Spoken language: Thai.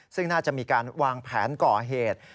ซึ่งน่าจะมีการวางแผนก่อเหตุ